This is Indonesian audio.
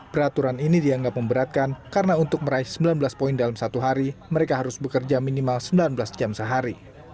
peraturan ini dianggap memberatkan karena untuk meraih sembilan belas poin dalam satu hari mereka harus bekerja minimal sembilan belas jam sehari